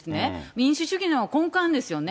民主主義の根幹ですよね。